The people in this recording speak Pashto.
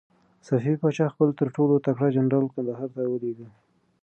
صفوي پاچا خپل تر ټولو تکړه جنرال کندهار ته ولېږه.